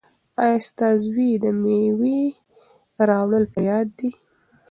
ایا ستا زوی ته د مېوې راوړل په یاد دي؟